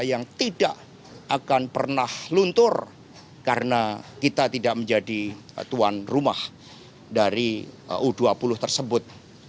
yang tidak akan pernah luntur karena kita tidak menjadi tuan rumah dari u dua puluh tersebut